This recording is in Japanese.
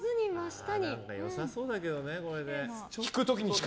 良さそうだけどね、これで。